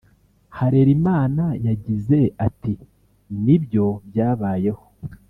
Harerimana yagize ati “Nibyo byabayeho